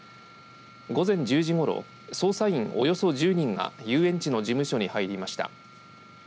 午前１０時ごろ、捜査員およそ１０人が遊園地の事務所に入りました。